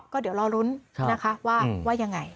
ก็เดี๋ยวรอลุ้นนะคะว่ายังไง